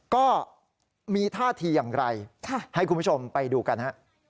ก็มีท่าทีอย่างไรให้คุณผู้ชมไปดูกันฮะ